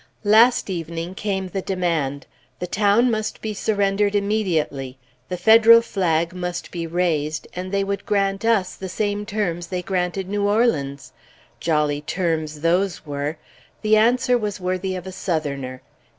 Last evening came the demand: the town must be surrendered immediately; the Federal flag must be raised; they would grant us the same terms they granted New Orleans. Jolly terms those were! The answer was worthy of a Southerner.